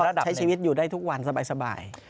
ใช้ชีวิตอยู่ได้ทุกวันสบาย